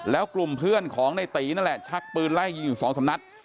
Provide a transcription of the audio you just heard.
แล้วกลุ่มเพื่อนของในตีนั่นแหละชักปืนไล่ยิงอยู่สองสามนัด